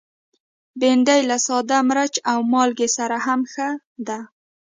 بېنډۍ له ساده مرچ او مالګه سره هم ښه ده